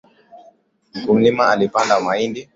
Mkulima alipanda mahindi.